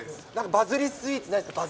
バズリスイーツないですか？